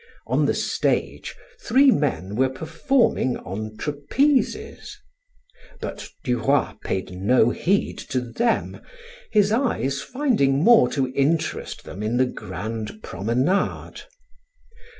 On the stage three men were performing on trapezes. But Duroy paid no heed to them, his eyes finding more to interest them in the grand promenade.